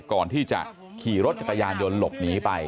ก่อนที่จะขี่รถขยาหยนดกหนีไป